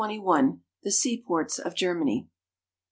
i&ic XXI. THE SEAPORTS OF GERMANY.